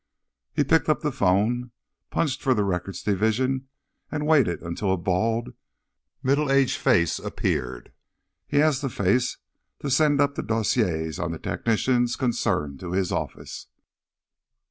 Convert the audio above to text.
He picked up the phone, punched for the Records Division, and waited until a bald, middle aged face appeared. He asked the face to send up the dossiers of the technicians concerned to his office.